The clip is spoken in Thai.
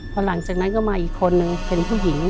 พอหลังจากนั้นก็มาอีกคนนึงเป็นผู้หญิง